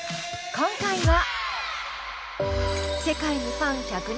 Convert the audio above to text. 今回は。